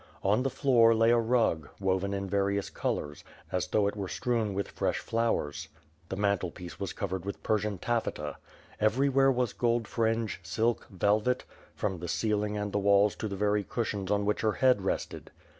On the floor, lay a rug, woven in various colors; as though it were strewn with fresh flowers. 436 WITH FIRE AND BWORD. 437 The mantelpiece was covered with Persian taflEeta. Every where was gold fringe, silk, velvet; from the ceiling and the walls to the very cushions on which her head rested.